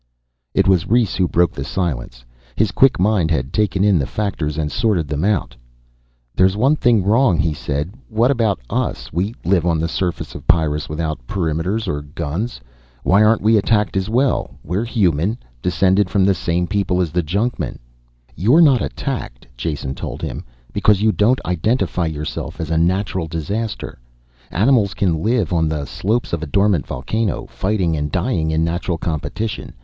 It was Rhes who broke the silence. His quick mind had taken in the factors and sorted them out. "There's one thing wrong," he said. "What about us? We live on the surface of Pyrrus without perimeters or guns. Why aren't we attacked as well? We're human, descended from the same people as the junkmen." "You're not attacked," Jason told him, "because you don't identify yourself as a natural disaster. Animals can live on the slopes of a dormant volcano, fighting and dying in natural competition.